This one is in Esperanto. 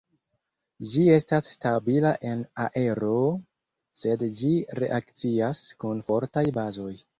Ĝi estas stabila en aero sed ĝi reakcias kun fortaj bazoj.